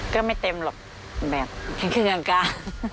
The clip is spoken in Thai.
ก็ไม่เต็มหรอกแบบแค่การการ